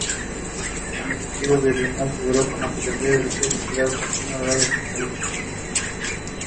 Asimismo Villarreal figuró como secretario del club liberal Ponciano Arriaga de San Luis Potosí.